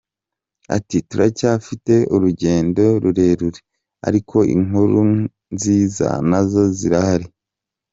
Ati “Turacyafite urugendo rurerure ariko inkuru nziza nazo zirahari.